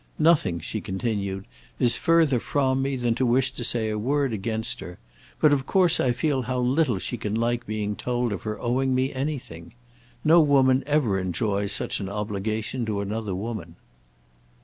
Nothing," she continued, "is further from me than to wish to say a word against her; but of course I feel how little she can like being told of her owing me anything. No woman ever enjoys such an obligation to another woman."